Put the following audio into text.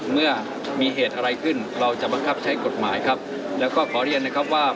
เมื่อมีเหตุอะไรขึ้นเราจะบังคับใช้กฎหมายครับแล้วก็ขอเรียนนะครับว่า